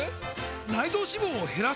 内臓脂肪を減らす！？